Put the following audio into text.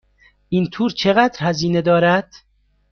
این تور چقدر هزینه دارد؟